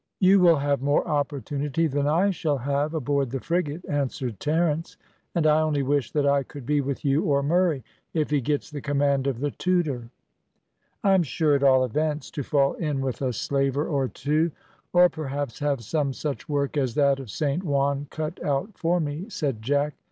"You will have more opportunity than I shall have aboard the frigate," answered Terence; "and I only wish that I could be with you or Murray, if he gets the command of the Tudor." "I'm sure, at all events, to fall in with a slaver or two, or perhaps have some such work as that of Saint Juan cut out for me," said Jack.